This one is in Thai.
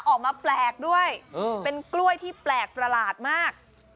ออกมาแปลกด้วยเป็นกล้วยที่แปลกประหลาดมาก